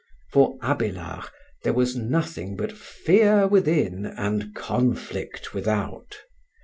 For Abélard there was nothing but "fear within and conflict without."